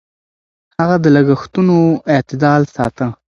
هغه د لګښتونو اعتدال ساته.